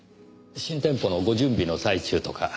新店舗のご準備の最中とか。